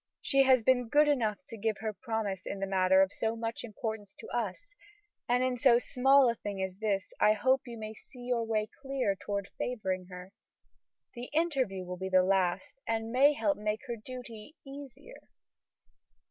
She has been good enough to give her promise in the matter of so much importance to us, and in so small a thing as this I hope you may see your way clear toward favoring her. The interview will be the last and may help to make her duty easier."